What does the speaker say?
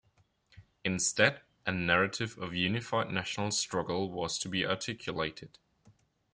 Instead a narrative of unified national struggle was to be articulated.